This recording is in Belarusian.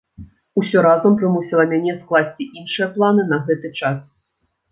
Усё разам прымусіла мяне скласці іншыя планы на гэты час.